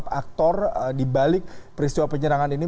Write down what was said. karena ada faktor dibalik peristiwa penyerangan ini